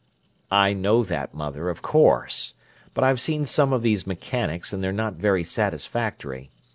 "I know that, mother, of course; but I've seen some of these mechanics, and they're not very satisfactory.